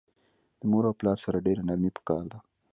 د مور او پلار سره ډیره نرمی پکار ده